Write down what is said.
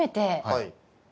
はい。